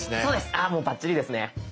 あもうバッチリですね。